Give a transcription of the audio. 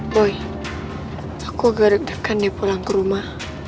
boy aku agak deg degan deh pulang ke rumah